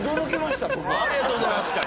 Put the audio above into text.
ありがとうございます。